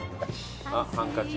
ハンカチ？